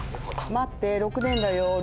待って６年だよるま。